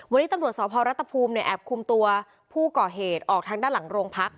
วันนี้ตำรวจสพรัฐภูมิเนี่ยแอบคุมตัวผู้ก่อเหตุออกทางด้านหลังโรงพัก